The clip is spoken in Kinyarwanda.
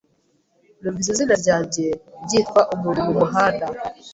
Numvise izina ryanjye ryitwa umuntu mumuhanda.